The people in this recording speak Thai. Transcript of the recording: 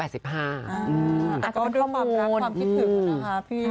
แต่ก็เรื่องความรักความคิดถึงนะคะพี่